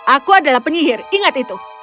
aku adalah penyihir ingat itu